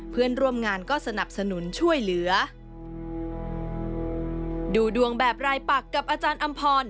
เพื่อนร่วมงานก็สนับสนุนช่วยเหลือดูดวงแบบรายปักกับอาจารย์อำพร